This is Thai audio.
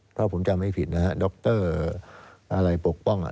เพราะผมจำให้ผิดนะฮะดรอะไรปกป้องอ่ะ